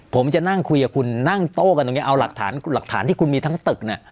ผมจะนั่งคุยกับคุณนั่งโต้กันตรงนี้เอาหลักฐานหลักฐานที่คุณมีทั้งตึกเนี่ย